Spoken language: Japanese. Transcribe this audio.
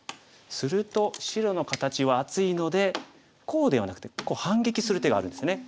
すると白の形は厚いのでこうではなくて反撃する手があるんですよね。